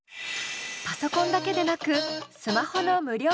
パソコンだけでなくスマホの無料